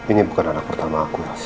ini bukan anak pertama aku